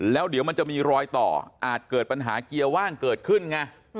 แล้วเดี๋ยวมันจะมีรอยต่ออาจเกิดปัญหาเกียร์ว่างเกิดขึ้นไง